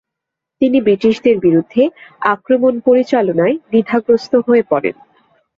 তিনি ব্রিটিশদের বিরুদ্ধে আক্রমণ পরিচালনায় দ্বিধাগ্রস্থ হয়ে পড়েন।